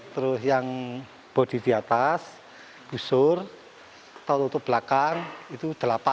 terus yang bodi di atas busur kita tutup belakang itu delapan